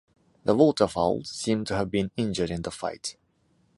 The waterfowl seem to have been injured in the fight.